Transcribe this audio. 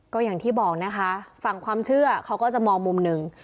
ก็อย่างที่บอกนะคะฝั่งความเชื่อเขาก็จะมองมุมหนึ่ง